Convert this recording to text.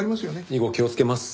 以後気をつけます。